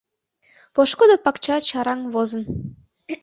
Пошкудо пакча чараҥ возын.